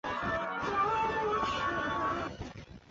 山本草太为日本男子花式滑冰选手。